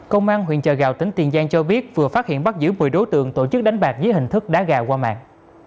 công an huyện chợ gạo tỉnh tiền giang cho biết vừa phát hiện bắt giữ một mươi đối tượng tổ chức đánh bạc dưới hình thức đá gà qua mạng